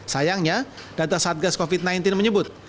sayangnya data satgas covid sembilan belas menyebut